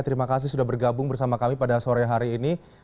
terima kasih sudah bergabung bersama kami pada sore hari ini